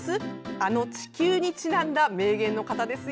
あの地球にちなんだ名言の方ですよ！